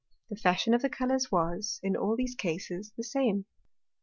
The fashion of the Colours was, in all these Cases, the same.